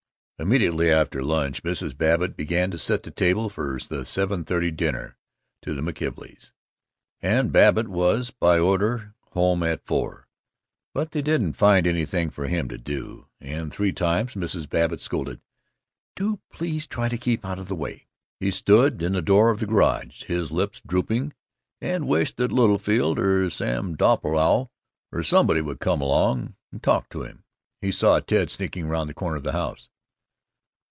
Immediately after lunch Mrs. Babbitt began to set the table for the seven thirty dinner to the McKelveys, and Babbitt was, by order, home at four. But they didn't find anything for him to do, and three times Mrs. Babbitt scolded, "Do please try to keep out of the way!" He stood in the door of the garage, his lips drooping, and wished that Littlefield or Sam Doppelbrau or somebody would come along and talk to him. He saw Ted sneaking about the corner of the house.